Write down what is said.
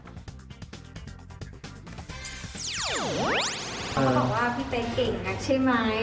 เขาก็บอกว่าพี่เป๊กเก่งนักใช่ไหม